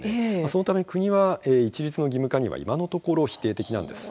そのため、国は一律の義務化には今のところ否定的なんです。